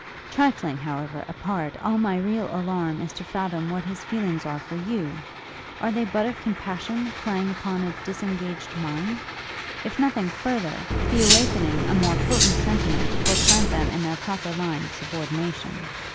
'Trifling, however, apart, all my real alarm is to fathom what his feelings are for you! Are they but of compassion, playing upon a disengaged mind? If nothing further, the awakening a more potent sentiment will plant them in their proper line of subordination.